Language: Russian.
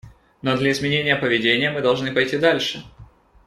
Но для изменения поведения мы должны пойти дальше.